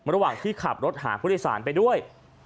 ระหว่างที่ขับรถขาพุทธิสารไปด้วย